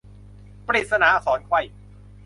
ปริศนาอักษรไขว้